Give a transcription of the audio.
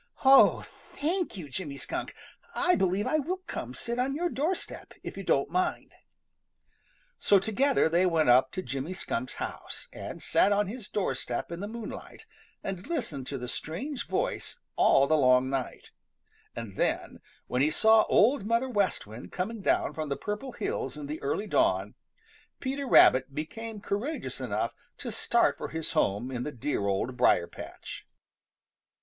"Oh, thank you, Jimmy Skunk. I believe I will come sit on your doorstep if you don't mind." [Illustration: 0018] So together they went up to Jimmy Skunk's house, and sat on his doorstep in the moonlight, and listened to the strange voice all the long night; and then, when he saw Old Mother West Wind coming down from the Purple Hills in the early dawn, Peter Rabbit became courageous enough to start for his home in the dear Old Briar patch.